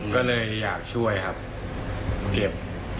ก็เลยอยากช่วยครับเก็บ